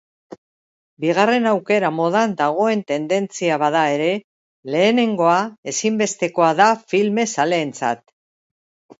Bigarren aukera modan dagoen tendentzia bada ere, lehenengoa ezinbestekoa da filme-zaleentzat.